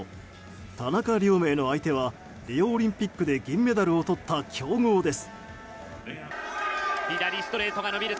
田中亮明の相手はリオオリンピックで銀メダルをとった強豪です。